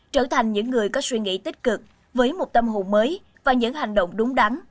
trở thành những người có suy nghĩ tích cực với một tâm hồn mới và những hành động đúng đắn